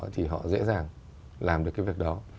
thì họ dễ dàng làm được cái việc đó